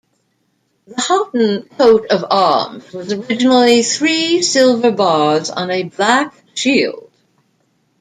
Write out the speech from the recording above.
The Haughton coat of arms was originally three silver bars on a black shield.